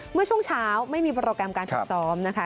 เมื่อช่วงเช้าไม่มีโปรแกรมการฝึกซ้อมนะคะ